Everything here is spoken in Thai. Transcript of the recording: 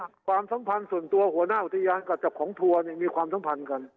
ความสัมพันธ์ส่วนตัวหัวหน้าอุทยานกับเจ้าของทัวร์เนี่ยมีความสัมพันธ์กัน